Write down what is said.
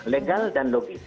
legal dan logis